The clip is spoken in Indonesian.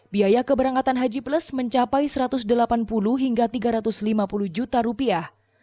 biaya keberangkatan haji plus mencapai satu ratus delapan puluh hingga tiga ratus lima puluh juta rupiah